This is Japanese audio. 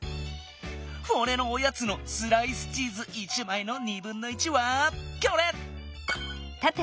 フォレのおやつのスライスチーズ１まいのはこれ！